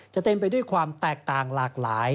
เต็มไปด้วยความแตกต่างหลากหลาย